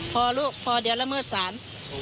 พอลูกพอเดี๋ยวละเมิดศาล